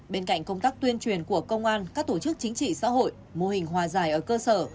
bên cạnh công tác tuyên truyền của công an các tổ chức chính trị xã hội mô hình hòa giải ở cơ sở